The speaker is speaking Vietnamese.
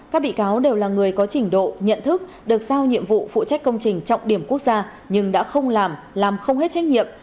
các bị cáo đều là người có trình độ nhận thức được giao nhiệm vụ phụ trách công trình trọng điểm quốc gia nhưng đã không làm làm không hết trách nhiệm